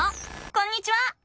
こんにちは！